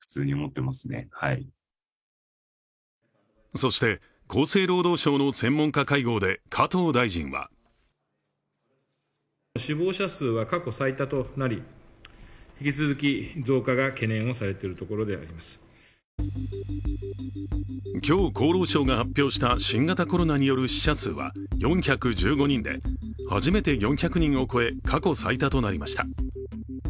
そして、厚生労働省の専門家会合で加藤大臣は今日、厚労省が発表した新型コロナによる死者数は４１５人で初めて４００人を超え過去最多となりました。